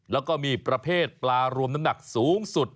แล้วก็มีประเภทปลารวมน้ำหนักสูงสุด